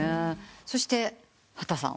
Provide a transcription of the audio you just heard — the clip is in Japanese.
そして秦さん。